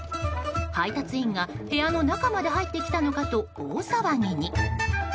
配達員が、部屋の中まで入ってきたのかと大騒ぎに。